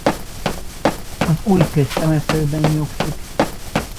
Az Új köztemetőben nyugszik.